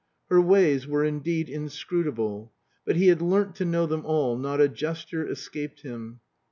Her ways were indeed inscrutable; but he had learnt to know them all, not a gesture escaped him.